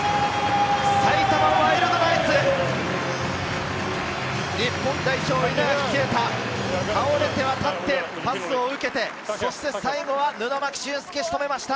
埼玉ワイルドナイツ、日本代表・稲垣啓太、倒れては立って、パスを受けて、そして最後は布巻峻介が仕留めました！